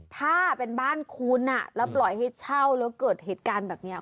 ถ้าเป็นบ้านคุณแล้วปล่อยให้เช่าแล้วเกิดเหตุการณ์แบบนี้